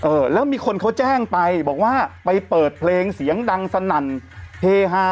เออแล้วมีคนเขาแจ้งไปบอกว่าไปเปิดเพลงเสียงดังสนั่นเฮฮา